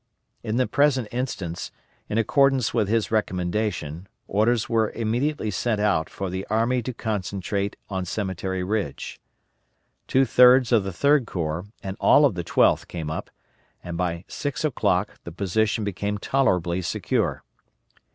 In the present instance, in accordance with his recommendation, orders were immediately sent out for the army to concentrate on Cemetery Ridge. Two thirds of the Third Corps, and all of the Twelfth came up, and by six o'clock the position became tolerably secure.